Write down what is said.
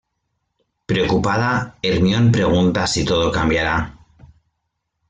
Preocupada, Hermione pregunta si todo cambiará.